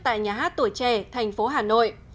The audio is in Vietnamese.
tại nhà hát tuổi trẻ thành phố hà nội